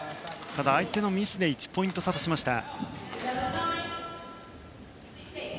ただ相手のミスで１ポイント差にしました。